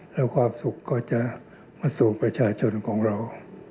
แล้วความสุขก็จะมาสู่ประชาชนของเรา